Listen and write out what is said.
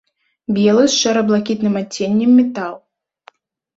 Белы з шэра-блакітным адценнем метал.